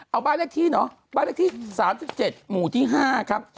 เอาบ้านเลขที่เนอะบ้านเลขที่๓๗หมู่ที่๕ครับ